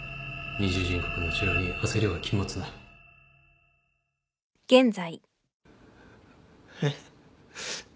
二重人格の治療に焦りは禁物だえっ？